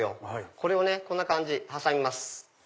これをねこんな感じ挟みます。